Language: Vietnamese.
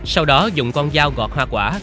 sau đó dùng con dao gọt hoa quả